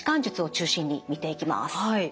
はい。